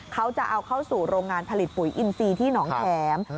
เขาจะเอาเข้าสู่โรงงานผลิตปุ๋ยอินซีที่หนองแข็ม